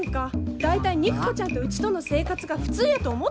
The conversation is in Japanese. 大体肉子ちゃんとうちとの生活が普通やと思ってんの？